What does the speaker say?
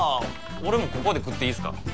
俺もここで食っていいっすか？